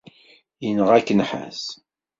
Yenɣa-k nnḥas.